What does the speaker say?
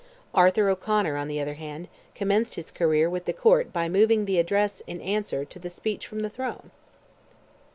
Arthur O'Conor, on the other hand, commenced his career with the Court by moving the address in answer to the speech from the throne!